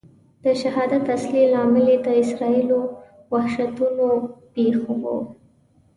د شهرت اصلي لامل یې د اسرائیلو د وحشتونو پوښښ و.